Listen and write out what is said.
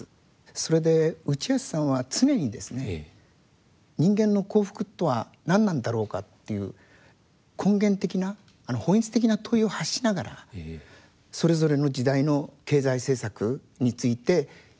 それで内橋さんは常にですね人間の幸福とは何なんだろうかっていう根源的な本質的な問いを発しながらそれぞれの時代の経済政策について批判をしてきたというふうに思います。